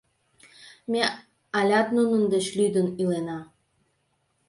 — Ме алят нунын деч лӱдын илена!